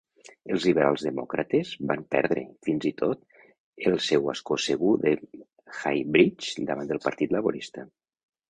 Els Liberals Demòcrates van perdre, fins i tot, el seu ascó segur de Highbridge davant del Partit Laborista.